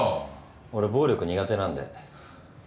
俺暴力苦手なんで。